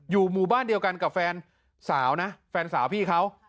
หมู่บ้านเดียวกันกับแฟนสาวนะแฟนสาวพี่เขา